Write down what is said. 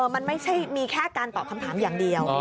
มันไม่ใช่มีแค่การตอบคำถามอย่างเดียว